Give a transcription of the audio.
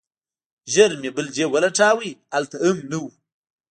ژر مې بل جيب ولټاوه هلته هم نه و.